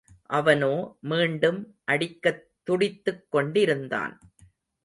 அவனோ மீண்டும் அடிக்கத் துடித்துக் கொண்டிருந்தான்.